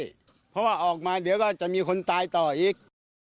เพราะว่าออกมาเดี๋ยวก็จะมีคนตายต่ออีก